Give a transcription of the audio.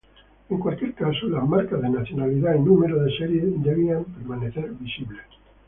En cualquier caso, las marcas de nacionalidad y número de serie debían permanecer visibles.